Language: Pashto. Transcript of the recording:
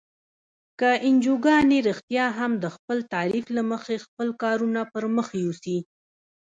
که انجوګانې رښتیا هم د خپل تعریف له مخې خپل کارونه پرمخ یوسي.